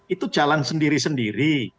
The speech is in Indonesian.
itu jalan sendiri sendiri